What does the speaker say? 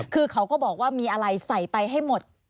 คือเขาก็บอกว่ามีอะไรใส่ไปให้หมด